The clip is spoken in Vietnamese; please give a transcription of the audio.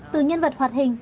từ nhân vật hoạt hình